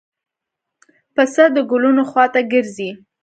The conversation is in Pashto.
پسه د ګلونو خوا ته ګرځي.